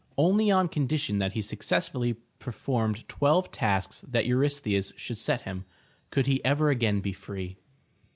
Only on condition that he success fully performed twelve tasks that Eurystheus should set him, could he ever again be free.